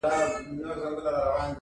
o وږی نه يم، قدر غواړم!